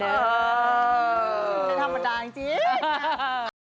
ไม่ธรรมดาจริง